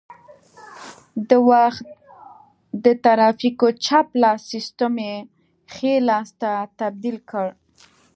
د وخت د ترافیکو چپ لاس سیسټم یې ښي لاس ته تبدیل کړ